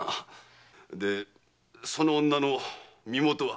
でその女の身元は？